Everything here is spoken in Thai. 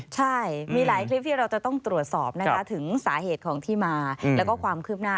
ใช่มีหลายคลิปที่เราจะต้องตรวจสอบนะคะถึงสาเหตุของที่มาแล้วก็ความคืบหน้า